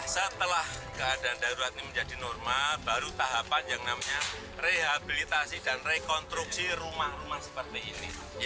setelah keadaan darurat ini menjadi normal baru tahapan yang namanya rehabilitasi dan rekonstruksi rumah rumah seperti ini